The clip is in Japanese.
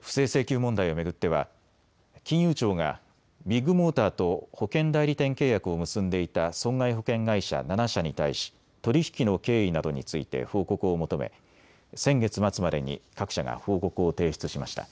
不正請求問題を巡っては金融庁がビッグモーターと保険代理店契約を結んでいた損害保険会社７社に対し取り引きの経緯などについて報告を求め先月末までに各社が報告を提出しました。